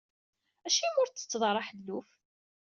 Acimi ur ttetteḍ ara aḥelluf?